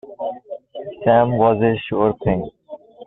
Sam was a sure thing.